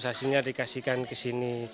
hasilnya dikasihkan ke sini